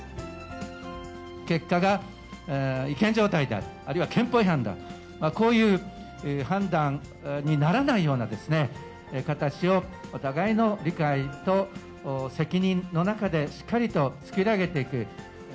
結果が違憲状態であると、あるいは憲法違反だ、こういう判断にならないようなですね、形を、お互いの理解と責任の中で、しっかりと作り上げていく。